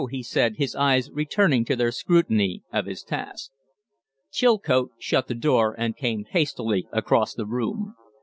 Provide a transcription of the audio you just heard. he said, his eyes returning to their scrutiny of his task. Chilcote shut the door and came hastily across the room.